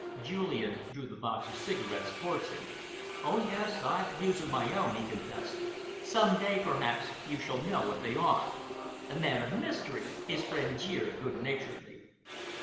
Julian drew the box of cigarettes towards him. "Oh, yes, I've views of my own," he confessed. "Some day, perhaps, you shall know what they are." "A man of mystery!" his friend jeered good naturedly.